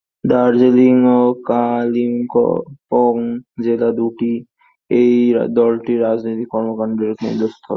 দার্জিলিং ও কালিম্পং জেলা দু’টি এই দলটির রাজনৈতিক কর্মকাণ্ডের কেন্দ্রস্থল।